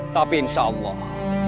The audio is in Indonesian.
tapi insya allah